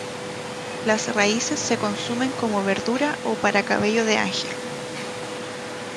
Las raíces se consumen como verdura o para cabello de ángel.